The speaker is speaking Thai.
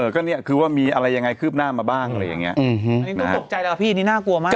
ก็เนี่ยคือว่ามีอะไรยังไงคืบหน้ามาบ้างอะไรอย่างนี้อันนี้ก็ตกใจแล้วพี่นี่น่ากลัวมาก